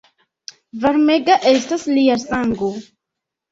Varmega estas lia sango!